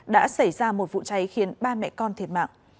đã xảy ra một vụ cháy khiến ba mẹ con thiệt mạng